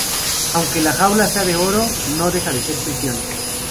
Aunque la jaula sea de oro, no deja de ser prisión